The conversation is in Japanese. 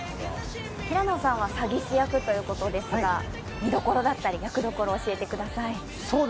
平野さんは詐欺師役ですが、見どころや役どころを教えてください。